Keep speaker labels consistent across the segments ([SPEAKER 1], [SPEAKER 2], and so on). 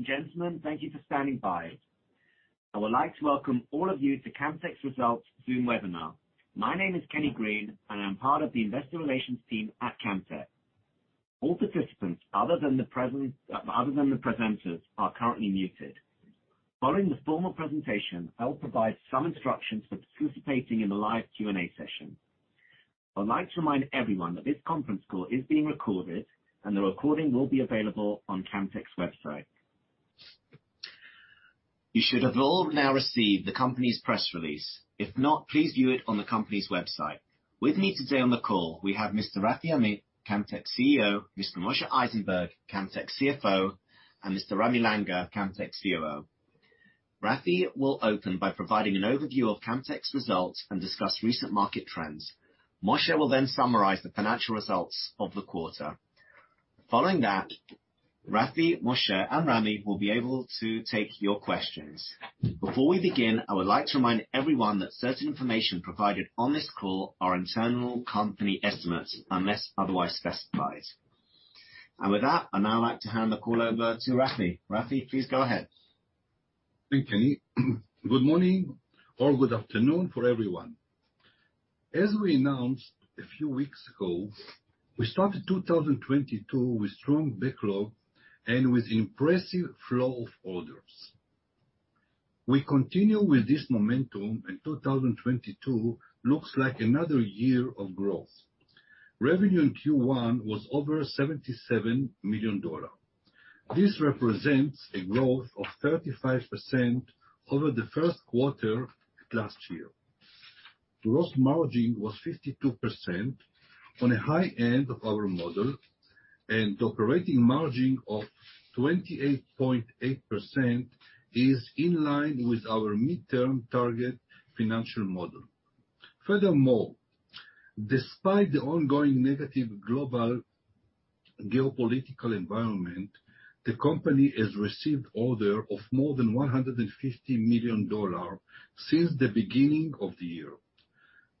[SPEAKER 1] Ladies and gentlemen, thank you for standing by. I would like to welcome all of you to Camtek's results Zoom webinar. My name is Kenny Green, and I'm part of the investor relations team at Camtek. All participants other than the presenters are currently muted. Following the formal presentation, I will provide some instructions for participating in the live Q&A session. I'd like to remind everyone that this conference call is being recorded and the recording will be available on Camtek's website. You should have all now received the company's press release. If not, please view it on the company's website. With me today on the call, we have Mr. Rafi Amit, Camtek's CEO, Mr. Moshe Eisenberg, Camtek's CFO, and Mr. Ramy Langer, Camtek's COO. Rafi will open by providing an overview of Camtek's results and discuss recent market trends. Moshe will then summarize the financial results of the quarter. Following that, Rafi, Moshe, and Rami will be able to take your questions. Before we begin, I would like to remind everyone that certain information provided on this call are internal company estimates unless otherwise specified. With that, I'd now like to hand the call over to Rafi. Rafi, please go ahead.
[SPEAKER 2] Thank you, Kenny. Good morning or good afternoon for everyone. As we announced a few weeks ago, we started 2022 with strong backlog and with impressive flow of orders. We continue with this momentum, and 2022 looks like another year of growth. Revenue in Q1 was over $77 million. This represents a growth of 35% over the first quarter last year. Gross margin was 52% on a high end of our model, and operating margin of 28.8% is in line with our midterm target financial model. Furthermore, despite the ongoing negative global geopolitical environment, the company has received order of more than $150 million since the beginning of the year.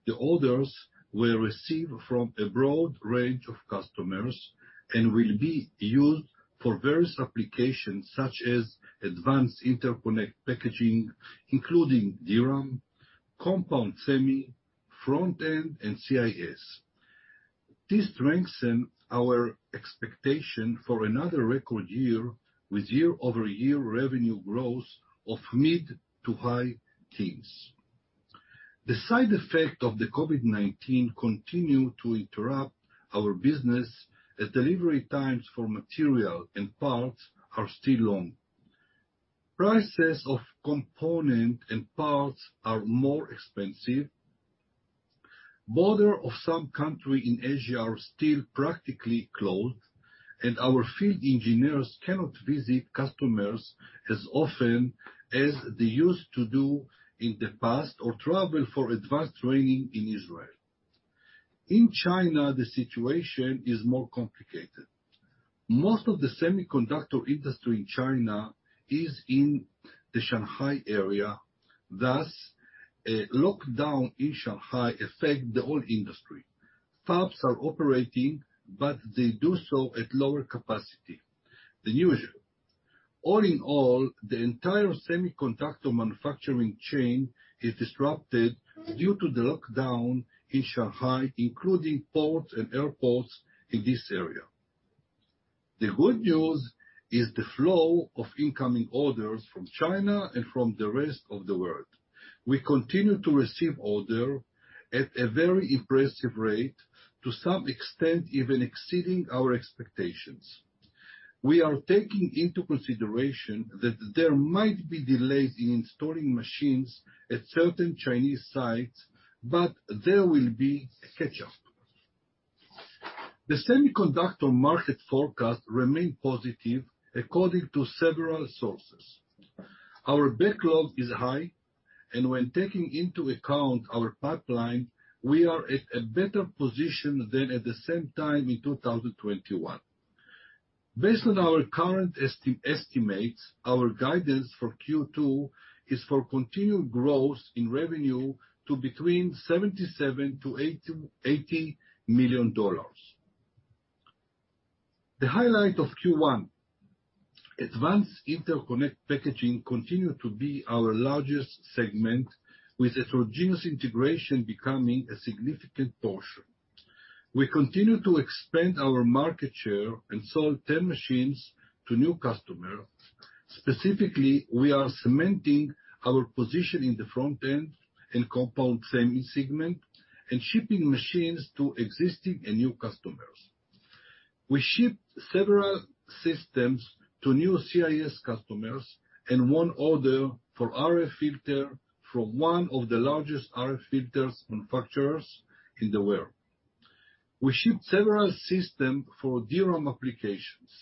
[SPEAKER 2] The orders were received from a broad range of customers and will be used for various applications such as advanced interconnect packaging, including DRAM, compound semiconductor, front-end, and CIS. This strengthens our expectation for another record year with year-over-year revenue growth of mid- to high-teens. The side effects of the COVID-19 continue to interrupt our business as delivery times for material and parts are still long. Prices of components and parts are more expensive. Borders of some countries in Asia are still practically closed, and our field engineers cannot visit customers as often as they used to do in the past or travel for advanced training in Israel. In China, the situation is more complicated. Most of the semiconductor industry in China is in the Shanghai area. Thus, a lockdown in Shanghai affects the whole industry. Fabs are operating, but they do so at lower capacity. The usual. All in all, the entire semiconductor manufacturing chain is disrupted due to the lockdown in Shanghai, including ports and airports in this area. The good news is the flow of incoming orders from China and from the rest of the world. We continue to receive order at a very impressive rate to some extent even exceeding our expectations. We are taking into consideration that there might be delays in installing machines at certain Chinese sites, but there will be a catch-up. The semiconductor market forecast remain positive according to several sources. Our backlog is high, and when taking into account our pipeline, we are at a better position than at the same time in 2021. Based on our current estimates, our guidance for Q2 is for continued growth in revenue to between $77 million-$88 million. The highlight of Q1. Advanced interconnect packaging continues to be our largest segment with heterogeneous integration becoming a significant portion. We continue to expand our market share and sell 10 machines to new customers. Specifically, we are cementing our position in the front-end in compound semiconductor segment and shipping machines to existing and new customers. We shipped several systems to new CIS customers and 1 order for RF filter from one of the largest RF filter manufacturers in the world. We shipped several systems for DRAM applications,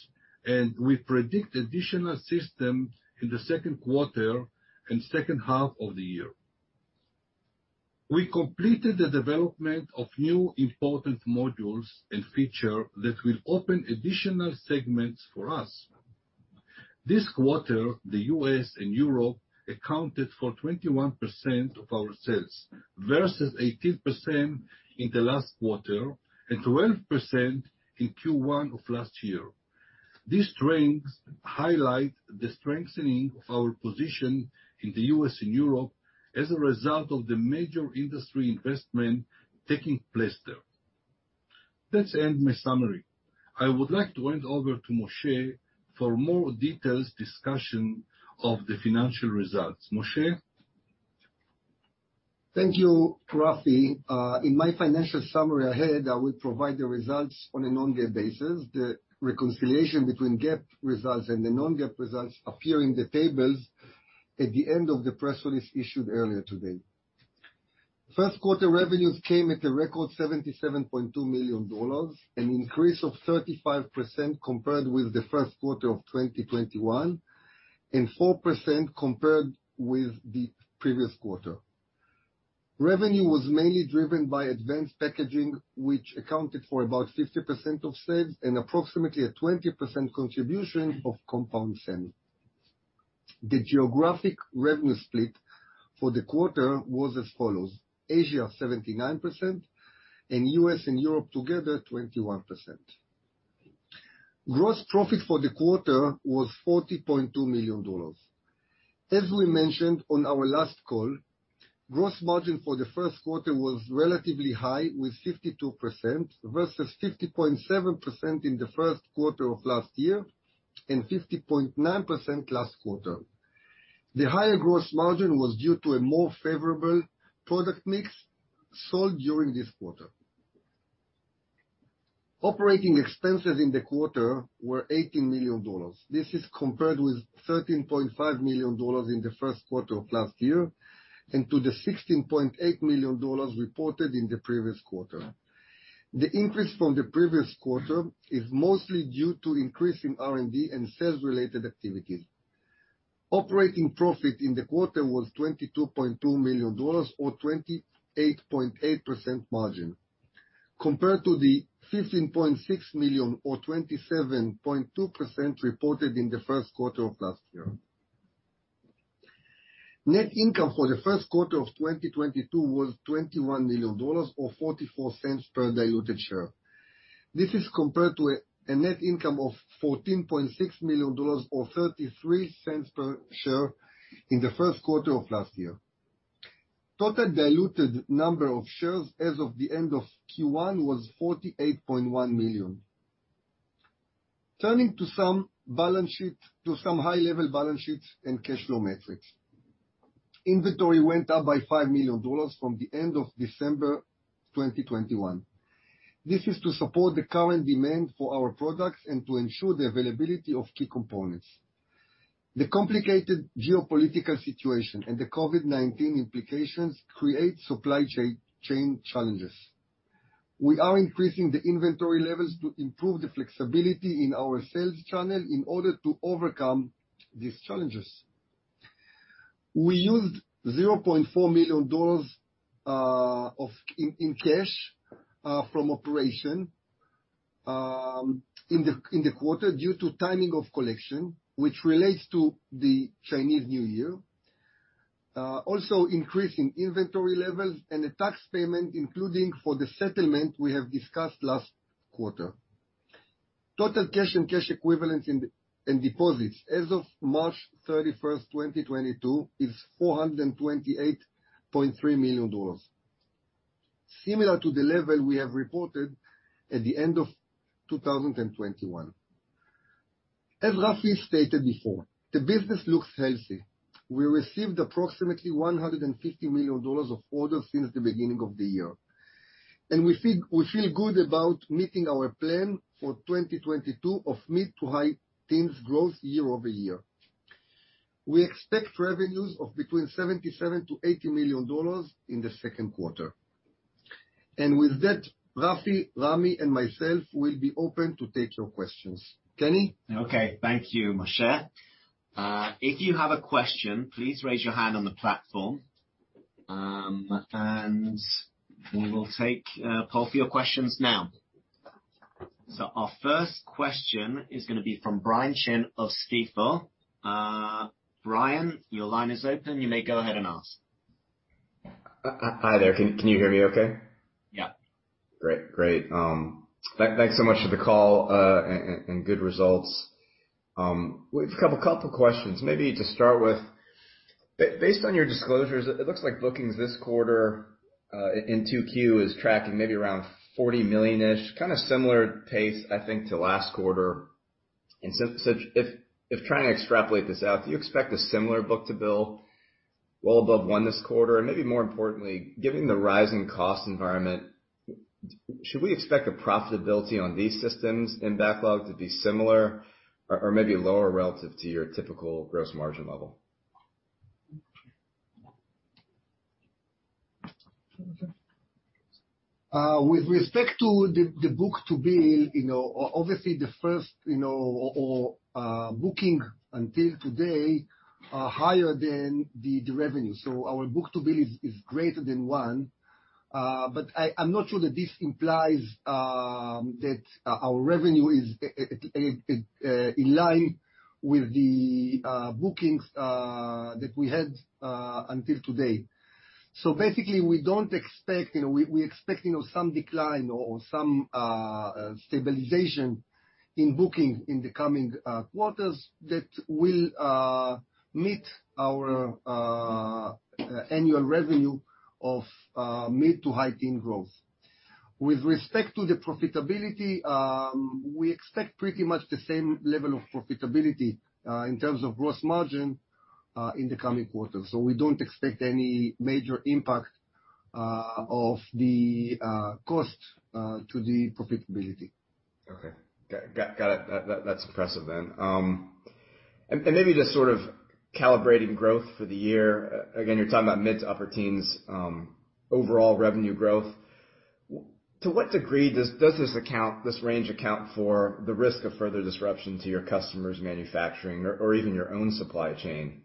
[SPEAKER 2] and we predict additional systems in the second quarter and second half of the year. We completed the development of new important modules and features that will open additional segments for us. This quarter, the U.S. and Europe accounted for 21% of our sales versus 18% in the last quarter and 12% in Q1 of last year. These strengths highlight the strengthening of our position in the U.S. and Europe as a result of the major industry investment taking place there. That ends my summary. I would like to hand over to Moshe for more details, discussion of the financial results. Moshe?
[SPEAKER 3] Thank you, Rafi. In my financial summary ahead, I will provide the results on a non-GAAP basis. The reconciliation between GAAP results and the non-GAAP results appear in the tables at the end of the press release issued earlier today. First quarter revenues came at a record $77.2 million, an increase of 35% compared with the first quarter of 2021, and 4% compared with the previous quarter. Revenue was mainly driven by advanced packaging, which accounted for about 50% of sales and approximately a 20% contribution of compound semiconductor. The geographic revenue split for the quarter was as follows. Asia 79%, and U.S. and Europe together 21%. Gross profit for the quarter was $40.2 million. As we mentioned on our last call, gross margin for the first quarter was relatively high, with 52% versus 50.7% in the first quarter of last year and 50.9% last quarter. The higher gross margin was due to a more favorable product mix sold during this quarter. Operating expenses in the quarter were $18 million. This is compared with $13.5 million in the first quarter of last year and to the $16.8 million reported in the previous quarter. The increase from the previous quarter is mostly due to increase in R&D and sales-related activities. Operating profit in the quarter was $22.2 million or 28.8% margin, compared to the $15.6 million or 27.2% reported in the first quarter of last year. Net income for the first quarter of 2022 was $21 million or $0.44 per diluted share. This is compared to a net income of $14.6 million or $0.33 per share in the first quarter of last year. Total diluted number of shares as of the end of Q1 was 48.1 million. Turning to some high-level balance sheets and cash flow metrics. Inventory went up by $5 million from the end of December 2021. This is to support the current demand for our products and to ensure the availability of key components. The complicated geopolitical situation and the COVID-19 implications create supply chain challenges. We are increasing the inventory levels to improve the flexibility in our sales channel in order to overcome these challenges. We used $0.4 million in cash from operations in the quarter due to timing of collection, which relates to the Chinese New Year. Also increase in inventory levels and a tax payment, including for the settlement we have discussed last quarter. Total cash and cash equivalents in deposits as of March 31, 2022 is $428.3 million. Similar to the level we have reported at the end of 2021. As Rafi stated before, the business looks healthy. We received approximately $150 million of orders since the beginning of the year, and we feel good about meeting our plan for 2022 of mid- to high-teens growth year-over-year. We expect revenues of between $77 million-$80 million in the second quarter. With that, Rafi, Rami, and myself will be open to take your questions. Kenny?
[SPEAKER 1] Okay, thank you, Moshe. If you have a question, please raise your hand on the platform. We will take a poll for your questions now. Our first question is gonna be from Brian Chin of Stifel. Brian, your line is open. You may go ahead and ask.
[SPEAKER 4] Hi there. Can you hear me okay?
[SPEAKER 1] Yeah.
[SPEAKER 4] Great. Thanks so much for the call, and good results. We've a couple of questions. Maybe to start with, based on your disclosures, it looks like bookings this quarter in 2Q is tracking maybe around $40 million-ish, kinda similar pace, I think, to last quarter. If trying to extrapolate this out, do you expect a similar book-to-bill well above 1 this quarter? Maybe more importantly, given the rising cost environment, should we expect the profitability on these systems in backlog to be similar or maybe lower relative to your typical gross margin level?
[SPEAKER 3] With respect to the book-to-bill, you know, obviously the bookings until today are higher than the revenue. Our book-to-bill is greater than one. I'm not sure that this implies that our revenue is in line with the bookings that we had until today. Basically, we don't expect, you know, we expecting some decline or some stabilization in bookings in the coming quarters that will meet our annual revenue of mid-to-high teens growth. With respect to the profitability, we expect pretty much the same level of profitability in terms of gross margin in the coming quarters. We don't expect any major impact of the cost to the profitability.
[SPEAKER 4] Okay. Got it. That's impressive then. Maybe just sort of calibrating growth for the year. You're talking about mid- to upper-teens overall revenue growth. To what degree does this range account for the risk of further disruption to your customers' manufacturing or even your own supply chain? Yeah,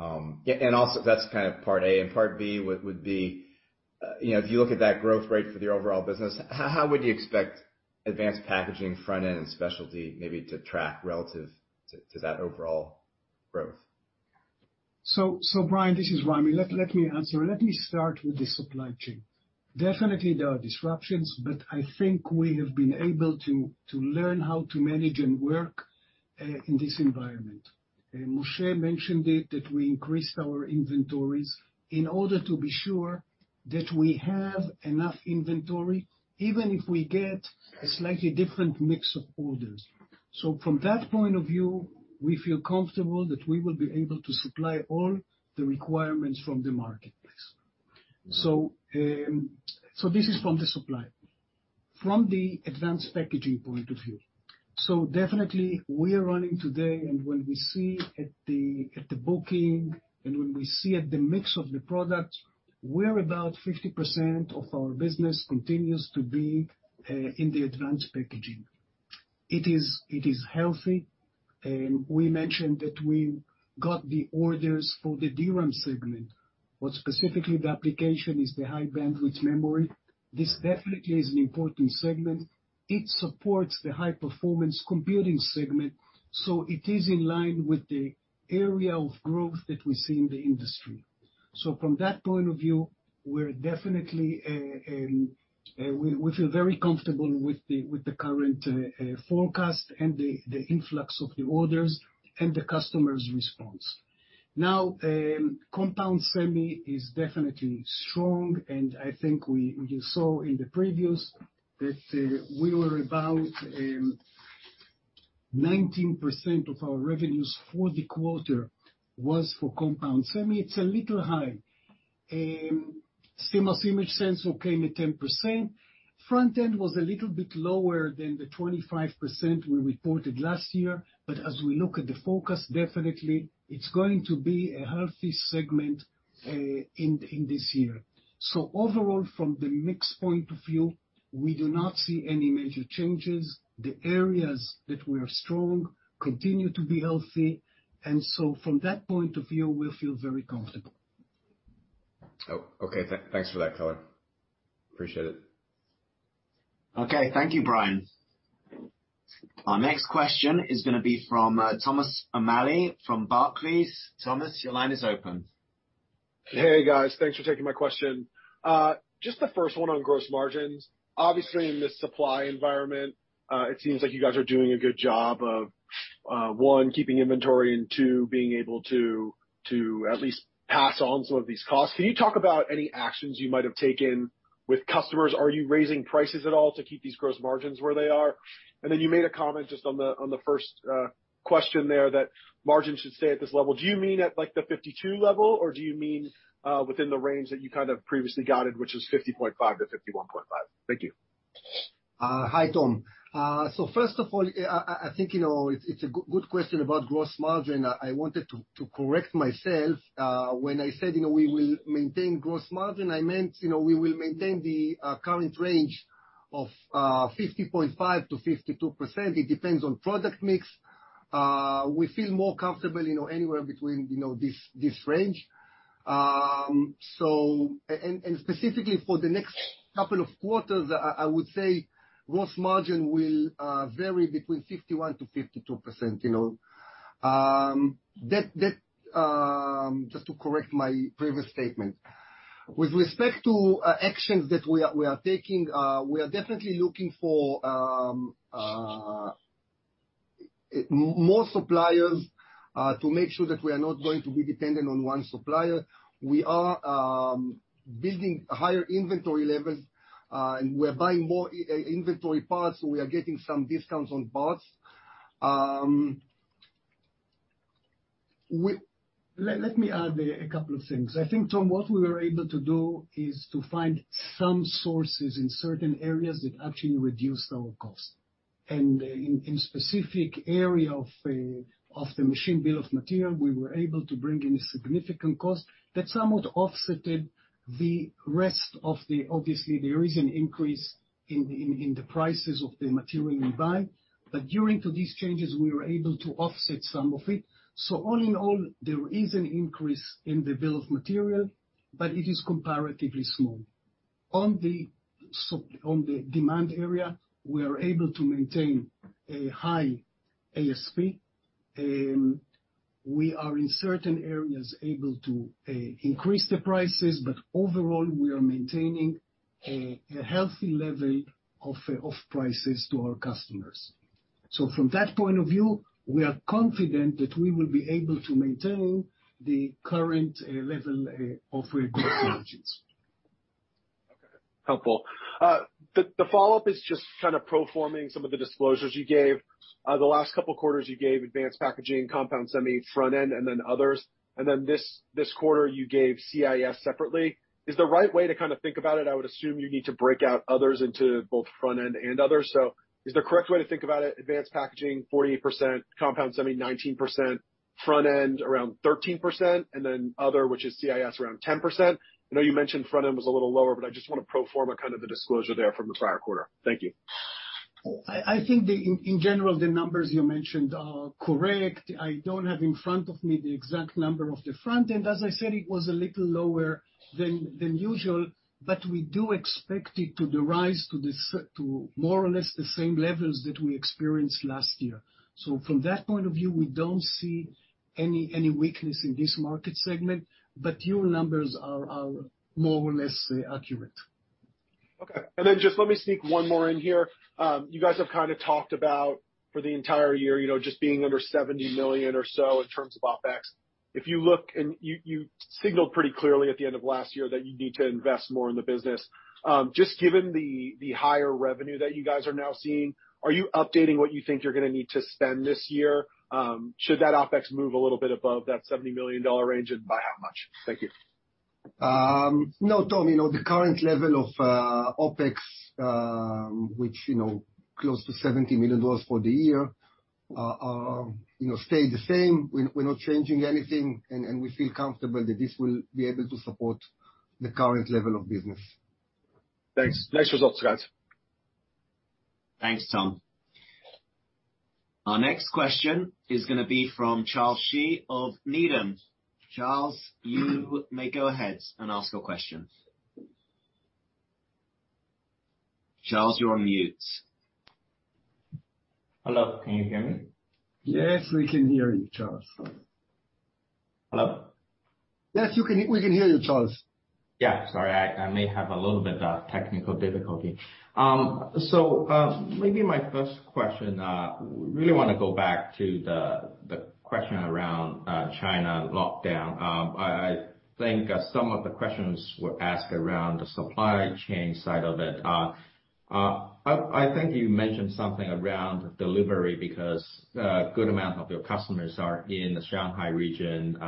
[SPEAKER 4] also that's kind of part A, and part B would be, you know, if you look at that growth rate for the overall business, how would you expect advanced packaging, front-end and specialty maybe to track relative to that overall growth?
[SPEAKER 5] Brian, this is Ramy. Let me answer. Let me start with the supply chain. Definitely there are disruptions, but I think we have been able to learn how to manage and work in this environment. Moshe mentioned it, that we increased our inventories in order to be sure that we have enough inventory, even if we get a slightly different mix of orders. From that point of view, we feel comfortable that we will be able to supply all the requirements from the marketplace.
[SPEAKER 4] All right.
[SPEAKER 5] From the advanced packaging point of view, definitely we are running today and when we look at the bookings and when we look at the mix of the products, we are about 50% of our business continues to be in the advanced packaging. It is healthy. We mentioned that we got the orders for the DRAM segment, but specifically the application is the high bandwidth memory. This is definitely an important segment. It supports the high performance computing segment, so it is in line with the area of growth that we see in the industry. From that point of view, we definitely feel very comfortable with the current forecast and the influx of the orders and the customer's response. Now, compound semiconductor is definitely strong, and I think we just saw in the previews that we were about 19% of our revenues for the quarter was for compound semiconductor. It's a little high. CMOS image sensor came at 10%. Front-end was a little bit lower than the 25% we reported last year, but as we look at the forecast, definitely it's going to be a healthy segment in this year. Overall, from the mix point of view, we do not see any major changes. The areas that we are strong continue to be healthy, and so from that point of view, we feel very comfortable.
[SPEAKER 4] Oh, okay. Thanks for that, Ramy. Appreciate it.
[SPEAKER 1] Okay, thank you, Brian. Our next question is gonna be from Thomas O'Malley from Barclays. Thomas, your line is open.
[SPEAKER 6] Hey, guys. Thanks for taking my question. Just the first one on gross margins. Obviously, in this supply environment, it seems like you guys are doing a good job of, one, keeping inventory and two, being able to at least pass on some of these costs. Can you talk about any actions you might have taken with customers? Are you raising prices at all to keep these gross margins where they are? Then you made a comment just on the first question there, that margins should stay at this level. Do you mean at like the 52% level or do you mean within the range that you kind of previously guided, which is 50.5%-51.5%? Thank you.
[SPEAKER 3] Hi, Tom. So first of all, I think, you know, it's a good question about gross margin. I wanted to correct myself when I said, you know, we will maintain gross margin, I meant, you know, we will maintain the current range of 50.5%-52%. It depends on product mix. We feel more comfortable, you know, anywhere between this range. Specifically for the next couple of quarters, I would say gross margin will vary between 51%-52%, you know. That just to correct my previous statement. With respect to actions that we are taking, we are definitely looking for more suppliers to make sure that we are not going to be dependent on one supplier. We are building higher inventory levels, and we're buying more inventory parts, so we are getting some discounts on parts.
[SPEAKER 5] Let me add a couple of things. I think, Tom, what we were able to do is to find some sources in certain areas that actually reduced our cost. In specific area of the machine bill of material, we were able to bring in a significant cost that somewhat offset the rest. Obviously, there is an increase in the prices of the material we buy, but due to these changes, we were able to offset some of it. All in all, there is an increase in the bill of material, but it is comparatively small. On the demand area, we are able to maintain a high ASP. We are in certain areas able to increase the prices, but overall, we are maintaining a healthy level of prices to our customers. From that point of view, we are confident that we will be able to maintain the current level of gross margins.
[SPEAKER 6] Okay. Helpful. The follow-up is just kind of pro forma some of the disclosures you gave. The last couple quarters you gave advanced packaging, compound semiconductor front-end, and then others. Then this quarter you gave CIS separately. Is the right way to kind of think about it, I would assume you need to break out others into both front-end and others. Is the correct way to think about it, advanced packaging 48%, compound semiconductor 19%, front-end around 13%, and then other, which is CIS, around 10%? I know you mentioned front-end was a little lower, but I just wanna pro forma kind of the disclosure there from the prior quarter. Thank you.
[SPEAKER 5] I think in general the numbers you mentioned are correct. I don't have in front of me the exact number of the front-end. As I said, it was a little lower than usual, but we do expect it to rise to more or less the same levels that we experienced last year. From that point of view, we don't see any weakness in this market segment, but your numbers are more or less accurate.
[SPEAKER 6] Okay. Just let me sneak one more in here. You guys have kinda talked about for the entire year, you know, just being under $70 million or so in terms of OpEx. If you look and you signaled pretty clearly at the end of last year that you need to invest more in the business. Just given the higher revenue that you guys are now seeing, are you updating what you think you're gonna need to spend this year? Should that OpEx move a little bit above that $70 million range, and by how much? Thank you.
[SPEAKER 5] No, Thomas, you know, the current level of OpEx, which, you know, close to $70 million for the year, stay the same. We're not changing anything, and we feel comfortable that this will be able to support the current level of business.
[SPEAKER 7] Thanks. Nice results, guys.
[SPEAKER 1] Thanks, Tom. Our next question is gonna be from Charles Shi of Needham. Charles, you may go ahead and ask your question. Charles, you're on mute.
[SPEAKER 8] Hello? Can you hear me?
[SPEAKER 5] Yes, we can hear you, Charles.
[SPEAKER 8] Hello?
[SPEAKER 5] Yes, you can hear. We can hear you, Charles.
[SPEAKER 8] Yeah, sorry. I may have a little bit of technical difficulty. Maybe my first question really wanna go back to the question around China lockdown. I think some of the questions were asked around the supply chain side of it. I think you mentioned something around delivery because a good amount of your customers are in the Shanghai region.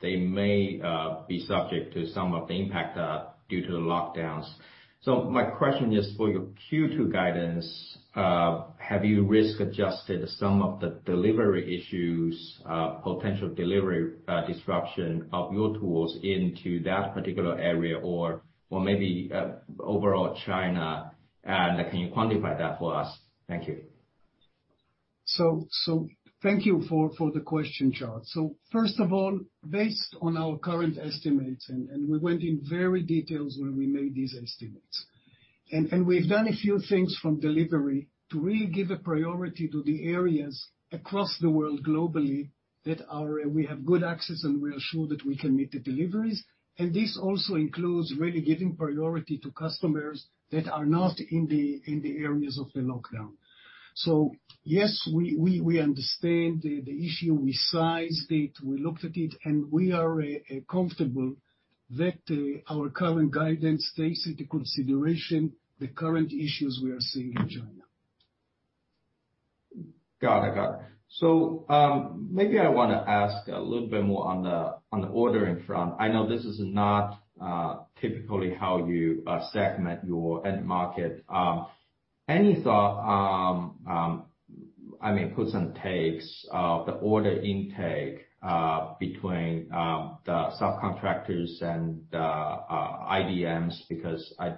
[SPEAKER 8] They may be subject to some of the impact due to the lockdowns. My question is for your Q2 guidance, have you risk-adjusted some of the delivery issues, potential delivery disruption of your tools into that particular area or maybe overall China, and can you quantify that for us? Thank you.
[SPEAKER 5] Thank you for the question, Charles. First of all, based on our current estimates, we went into very detailed when we made these estimates. We've done a few things from delivery to really give priority to the areas across the world globally that we have good access, and we are sure that we can meet the deliveries. This also includes really giving priority to customers that are not in the areas of the lockdown. Yes, we understand the issue. We sized it, we looked at it, and we are comfortable that our current guidance takes into consideration the current issues we are seeing in China.
[SPEAKER 8] Got it. Maybe I wanna ask a little bit more on the ordering front. I know this is not typically how you segment your end market. Any thoughts, I mean, puts and takes of the order intake between the subcontractors and the IDMs? Because I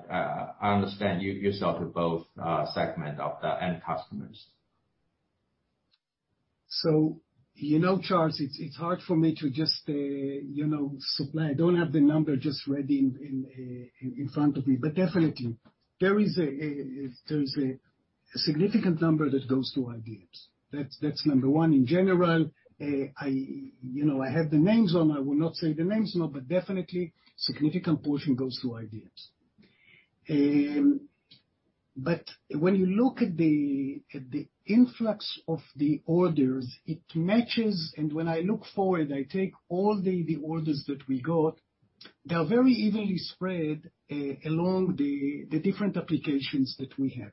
[SPEAKER 8] understand you yourselves are both segments of the end customers.
[SPEAKER 5] You know, Charles, it's hard for me to just, you know, supply. I don't have the number just ready in front of me. But definitely, there is a significant number that goes to IDMs. That's number one. In general, you know, I have the names on, I will not say the names now, but definitely significant portion goes to IDMs. But when you look at the influx of the orders, it matches, and when I look forward, I take all the orders that we got, they're very evenly spread along the different applications that we have.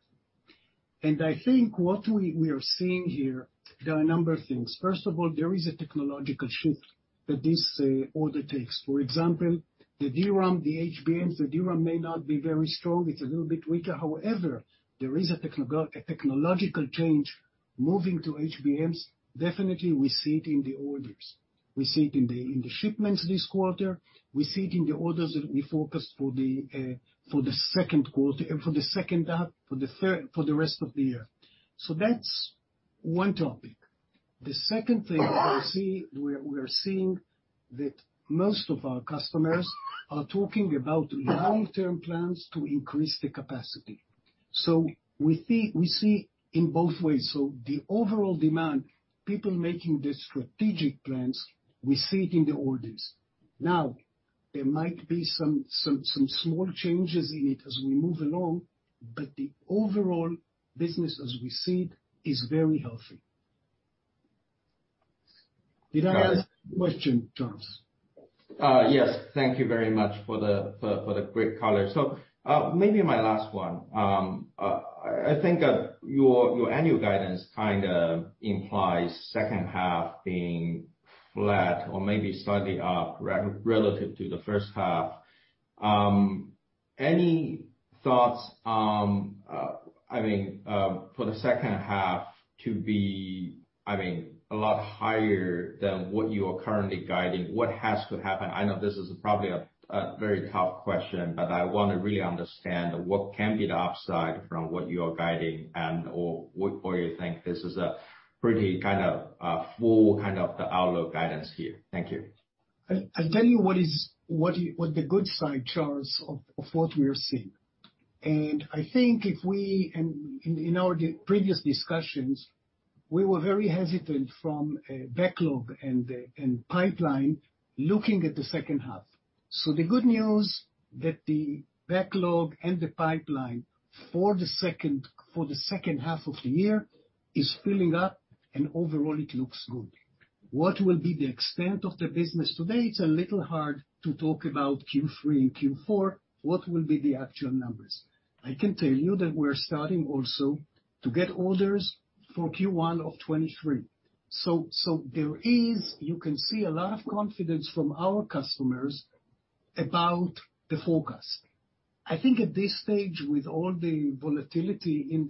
[SPEAKER 5] I think what we are seeing here, there are a number of things. First of all, there is a technological shift that this order takes. For example, the DRAM, the HBMs. The DRAM may not be very strong, it's a little bit weaker. However, there is a technological change moving to HBMs. Definitely we see it in the orders. We see it in the shipments this quarter. We see it in the orders that we focused for the second quarter, for the second half, for the third, for the rest of the year. That's one topic. The second thing I see, we are seeing that most of our customers are talking about long-term plans to increase the capacity. We see in both ways. The overall demand, people making the strategic plans, we see it in the orders. There might be some small changes in it as we move along, but the overall business as we see it is very healthy. Did I understand the question, Charles?
[SPEAKER 8] Yes. Thank you very much for the great color. Maybe my last one. I think that your annual guidance kind of implies second half being flat or maybe slightly up relative to the first half. Any thoughts, I mean, for the second half to be, I mean, a lot higher than what you are currently guiding, what has to happen? I know this is probably a very tough question, but I wanna really understand what can be the upside from what you are guiding and or you think this is a pretty kind of full kind of the outlook guidance here. Thank you.
[SPEAKER 5] I'll tell you what is, what the good side, Charles, of what we are seeing. I think and in our previous discussions, we were very hesitant from backlog and pipeline looking at the second half. The good news that the backlog and the pipeline for the second half of the year is filling up and overall it looks good. What will be the extent of the business? Today it's a little hard to talk about Q3 and Q4, what will be the actual numbers. I can tell you that we're starting also to get orders for Q1 of 2023. There is. You can see a lot of confidence from our customers about the forecast. I think at this stage, with all the volatility in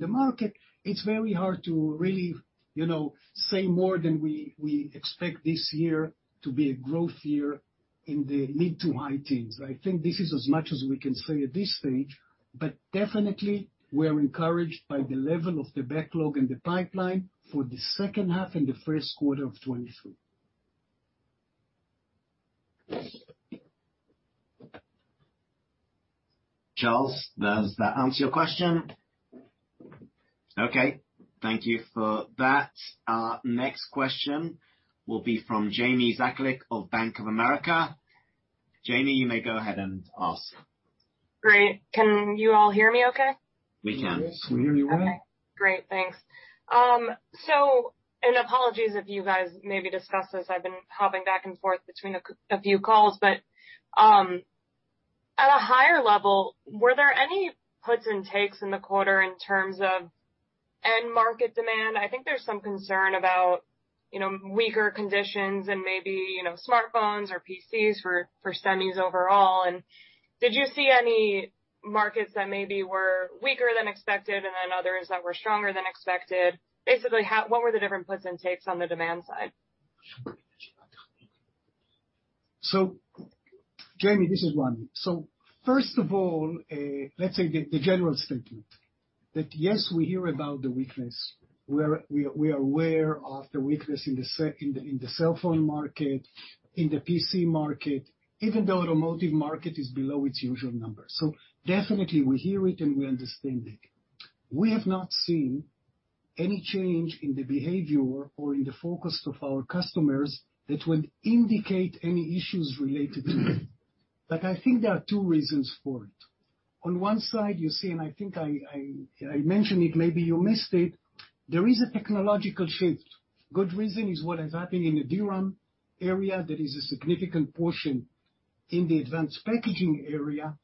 [SPEAKER 5] the market, it's very hard to really, you know, say more than we expect this year to be a growth year in the mid- to high teens. I think this is as much as we can say at this stage, but definitely we are encouraged by the level of the backlog and the pipeline for the second half and the first quarter of 2023.
[SPEAKER 1] Charles, does that answer your question? Okay. Thank you for that. Our next question will be from Jamie Zakalik of Bank of America. Jamie, you may go ahead and ask.
[SPEAKER 9] Great. Can you all hear me okay?
[SPEAKER 1] We can.
[SPEAKER 5] We hear you well.
[SPEAKER 9] Okay. Great. Thanks. Apologies if you guys maybe discussed this. I've been hopping back and forth between a few calls. At a higher level, were there any puts and takes in the quarter in terms of end market demand? I think there's some concern about, you know, weaker conditions and maybe, you know, smartphones or PCs for semis overall. Did you see any markets that maybe were weaker than expected and then others that were stronger than expected? Basically, what were the different puts and takes on the demand side?
[SPEAKER 5] Jamie, this is Ramy. First of all, let's say the general statement, that yes, we hear about the weakness. We are aware of the weakness in the cell phone market, in the PC market, even the automotive market is below its usual numbers. Definitely we hear it and we understand it. We have not seen any change in the behavior or in the forecast of our customers that would indicate any issues related to it. I think there are two reasons for it. On one side, you see, and I think I mentioned it, maybe you missed it. There is a technological shift. Good reason is what has happened in the DRAM area. There is a significant portion in the advanced packaging area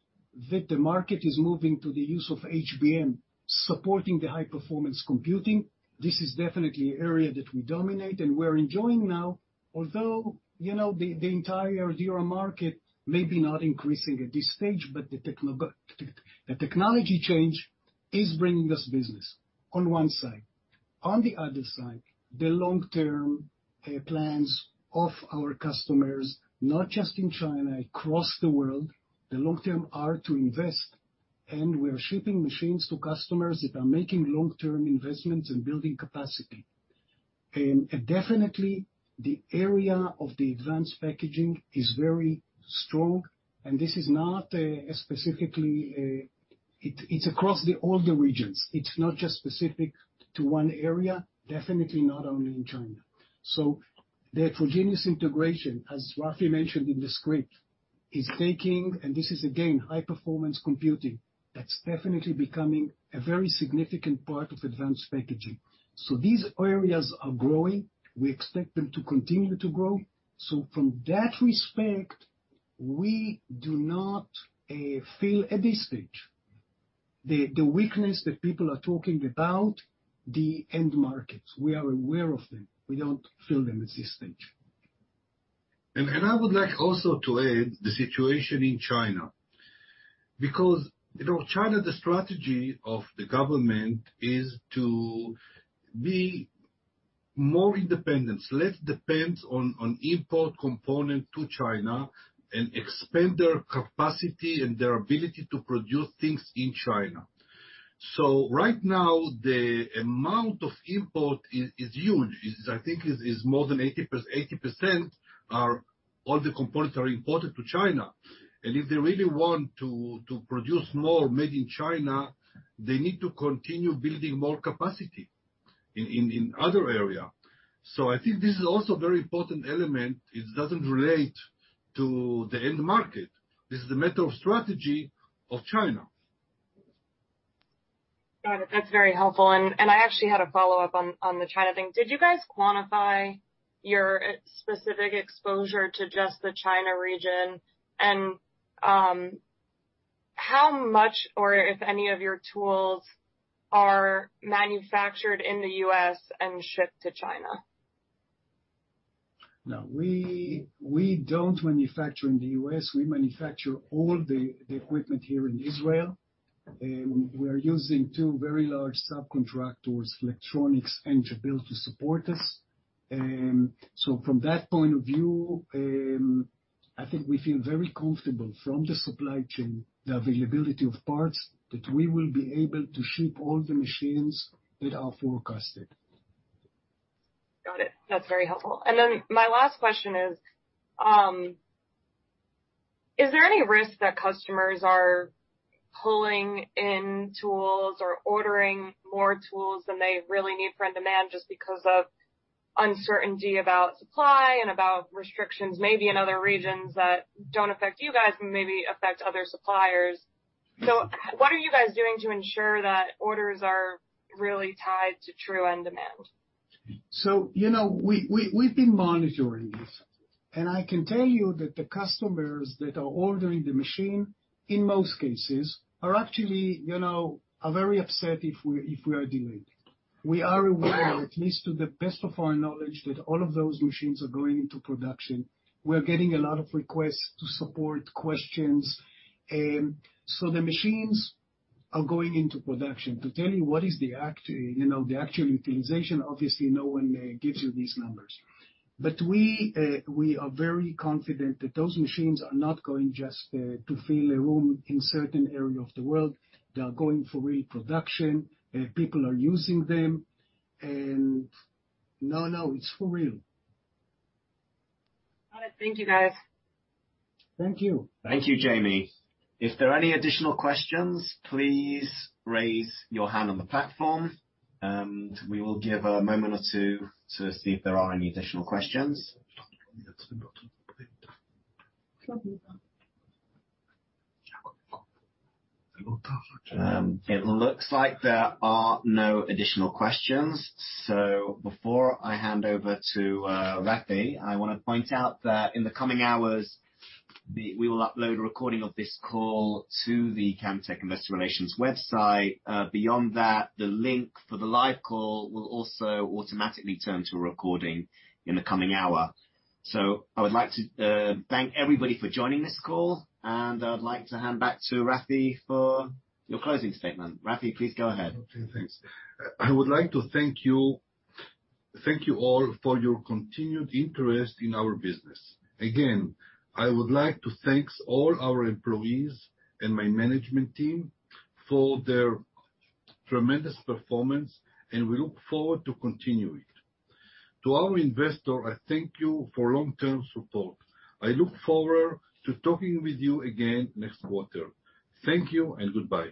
[SPEAKER 5] that the market is moving to the use of HBM, supporting the high performance computing. This is definitely an area that we dominate and we're enjoying now. Although, you know, the entire DRAM market may be not increasing at this stage, but the technology change is bringing us business, on one side. On the other side, the long-term plans of our customers, not just in China, across the world, the long-term are to invest, and we're shipping machines to customers that are making long-term investments and building capacity. Definitely, the area of the advanced packaging is very strong. This is not specifically. It is across all the regions. It is not just specific to one area, definitely not only in China. The heterogeneous integration, as Rafi mentioned in the script, is taking, and this is again, high performance computing, that's definitely becoming a very significant part of advanced packaging. These areas are growing. We expect them to continue to grow. From that respect, we do not feel at this stage, the weakness that people are talking about, the end markets. We are aware of them. We don't feel them at this stage.
[SPEAKER 2] I would like also to add the situation in China, because, you know, China, the strategy of the government is to be more independent, less dependent on imported components to China and expand their capacity and their ability to produce things in China.
[SPEAKER 5] Right now, the amount of import is huge. I think it is more than 80%. 80% of all the components are imported to China. If they really want to produce more made in China, they need to continue building more capacity in other area. I think this is also very important element. It doesn't relate to the end market. This is the national strategy of China.
[SPEAKER 9] Got it. That's very helpful. I actually had a follow-up on the China thing. Did you guys quantify your specific exposure to just the China region? How much or if any of your tools are manufactured in the U.S. and shipped to China?
[SPEAKER 5] No. We don't manufacture in the U.S. We manufacture all the equipment here in Israel. We are using two very large subcontractors, electronics, and to build to support us. From that point of view, I think we feel very comfortable from the supply chain, the availability of parts, that we will be able to ship all the machines that are forecasted.
[SPEAKER 9] Got it. That's very helpful. My last question is there any risk that customers are pulling in tools or ordering more tools than they really need for demand just because of uncertainty about supply and about restrictions maybe in other regions that don't affect you guys but maybe affect other suppliers? What are you guys doing to ensure that orders are really tied to true end demand?
[SPEAKER 5] You know, we've been monitoring this. I can tell you that the customers that are ordering the machine, in most cases are actually, you know, are very upset if we are delayed. We are aware, at least to the best of our knowledge, that all of those machines are going into production. We're getting a lot of requests to support questions. The machines are going into production. To tell you the actual utilization, obviously no one gives you these numbers. We are very confident that those machines are not going just to fill a room in a certain area of the world. They are going for real production, people are using them. No, it's for real.
[SPEAKER 9] All right. Thank you, guys.
[SPEAKER 5] Thank you.
[SPEAKER 1] Thank you, Jamie. If there are any additional questions, please raise your hand on the platform, and we will give a moment or two to see if there are any additional questions. It looks like there are no additional questions. Before I hand over to Rafi, I wanna point out that in the coming hours, we will upload a recording of this call to the Camtek Investor Relations website. Beyond that, the link for the live call will also automatically turn to a recording in the coming hour. I would like to thank everybody for joining this call, and I would like to hand back to Rafi for your closing statement. Rafi, please go ahead.
[SPEAKER 2] Okay, thanks. I would like to thank you, thank you all for your continued interest in our business. Again, I would like to thank all our employees and my management team for their tremendous performance, and we look forward to continue it. To our investor, I thank you for long-term support. I look forward to talking with you again next quarter. Thank you, and goodbye.